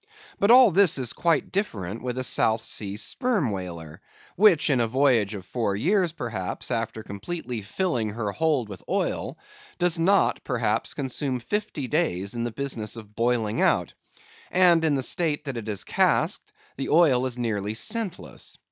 But all this is quite different with a South Sea Sperm Whaler; which in a voyage of four years perhaps, after completely filling her hold with oil, does not, perhaps, consume fifty days in the business of boiling out; and in the state that it is casked, the oil is nearly scentless.